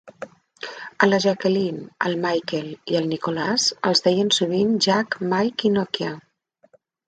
A la Jacqueline, al Micheal i al Nicholas els deien sovint Jack, Mike i Nokia.